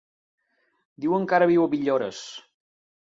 Diuen que ara viu a Villores.